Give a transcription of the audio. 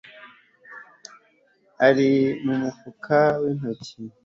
ari mumufuka wikoti